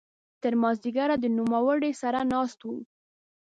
تر ماذیګره د نوموړي سره ناست وو.